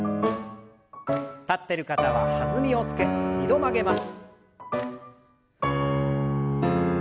立ってる方は弾みをつけ２度曲げます。